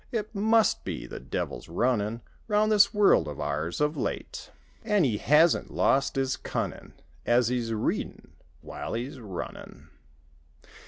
It must be the devil's runnin' Round this world of ours of late. 114 An' he hasn't lost his cunnin' As he's leadin' while he's runnin'.